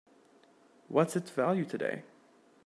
What's its value today?